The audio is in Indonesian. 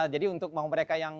jadi untuk mereka yang